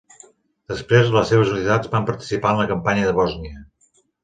Després, les seves unitats van participar en la campanya de Bòsnia.